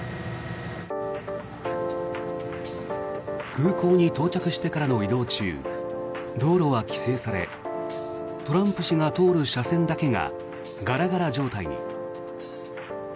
空港に到着してからの移動中道路は規制されトランプ氏が通る車線だけがガラガラ状態に。